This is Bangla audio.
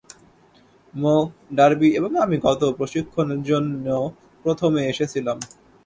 মো, ডার্বি এবং আমি গত প্রশিক্ষণের জন্য প্রথমে এসেছিলাম।